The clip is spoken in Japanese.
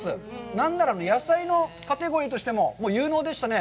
何なら野菜のカテゴリーとしても有能でしたね。